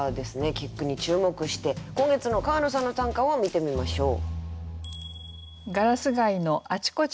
結句に注目して今月の川野さんの短歌を見てみましょう。